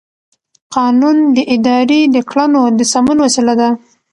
قانون د ادارې د کړنو د سمون وسیله ده.